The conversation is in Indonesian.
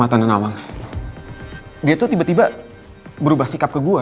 tante nawang juga ada bersikap dingin ke gue